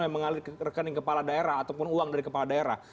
yang mengalir ke rekening kepala daerah ataupun uang dari kepala daerah